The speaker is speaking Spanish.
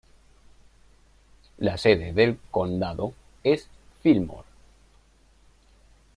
La sede del condado es Fillmore.